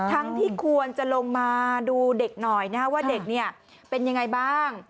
ทั้งที่ควรจะลงมาดูเด็กหน่อยว่าเด็กเป็นอย่างไรบ้าง